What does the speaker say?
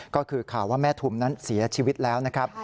ก็คือข่าวว่าแม่ทุมนั้นเสียชีวิตแล้วนะครับ